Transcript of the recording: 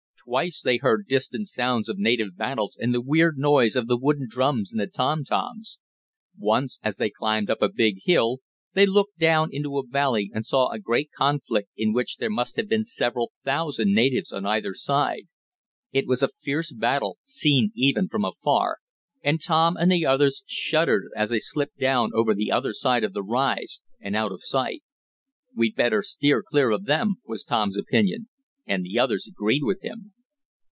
Twice they heard distant sounds of native battles and the weird noise of the wooden drums and the tom toms. Once, as they climbed up a big hill, they looked down into a valley and saw a great conflict in which there must have been several thousand natives on either side. It was a fierce battle, seen even from afar, and Tom and the others shuddered as they slipped down over the other side of the rise, and out of sight. "We'd better steer clear of them," was Tom's opinion; and the others agreed with him.